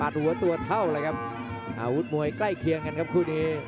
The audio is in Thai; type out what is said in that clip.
อาวุธมวยใกล้เคียงกันครับกันครับคู่นี้